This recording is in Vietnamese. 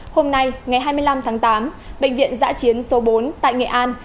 hôm nay ngày hai mươi năm tháng tám bệnh viện giã chiến số bốn tại nghệ an